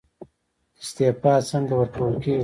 استعفا څنګه ورکول کیږي؟